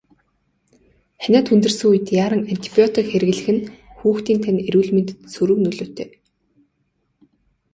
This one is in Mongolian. Ханиад хүндэрсэн үед яаран антибиотик хэрэглэх нь хүүхдийн тань эрүүл мэндэд сөрөг нөлөөтэй.